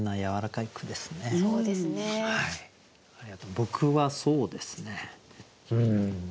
僕はそうですねうん。